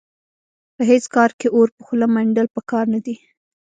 په هېڅ کار کې اور په خوله منډل په کار نه دي.